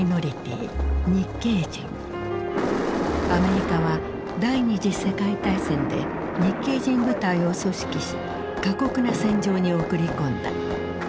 アメリカは第二次世界大戦で日系人部隊を組織し過酷な戦場に送り込んだ。